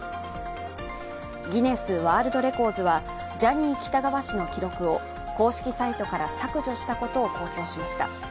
ギネスワールドレコーズはジャニー喜多川氏の記録を公式サイトから削除したことを公表しました。